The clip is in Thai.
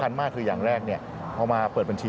มากคืออย่างแรกเอามาเปิดบัญชี